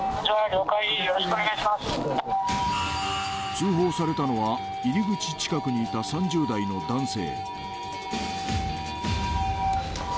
通報されたのは入り口近くにいた３０代の男性